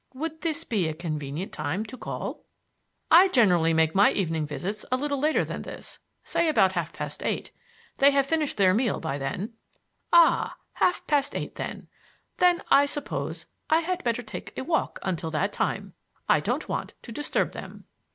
Would this be a convenient time to call?" "I generally make my evening visits a little later than this say about half past eight; they have finished their meal by then." "Ah! Half past eight, then? Then I suppose I had better take a walk until that time. I don't want to disturb them."